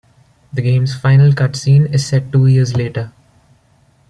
The game's final cutscene is set two years later.